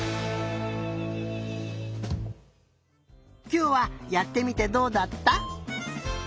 きょうはやってみてどうだった？